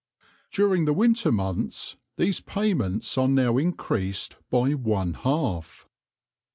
During the winter months these payments are now increased by one half.